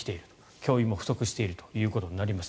教員も不足しているということになりました。